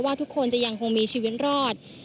ว่าทุกคนจะยังมีชีวิตรอด